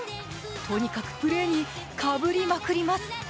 とにかくプレーにかぶりまくります。